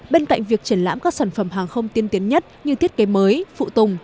bên cạnh việc triển lãm các sản phẩm hàng không tiên tiến nhất như thiết kế mới phụ tùng